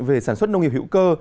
về sản xuất nông nghiệp hữu cơ